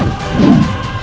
aku akan menang